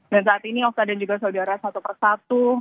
dan saat ini osta dan juga saudara satu persatu